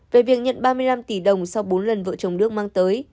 về việc nhận ba mươi năm tỷ đồng sau bốn lần vợ chồng đức mang tới